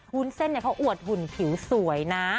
วุ้นเส้นเขาอวดหุ่นผิวสวยนะ